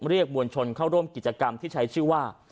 มวลชนเข้าร่วมกิจกรรมที่ใช้ชื่อว่า